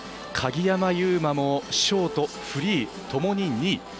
鍵山優真もショートフリー、ともに２位。